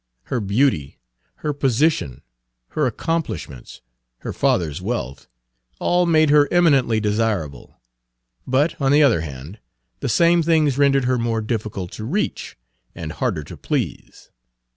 Her beauty, her position, her accomplishments, her father's wealth, all made her eminently desirable. But, on the other hand, the same things rendered her more difficult to reach, and Page 100 harder to please.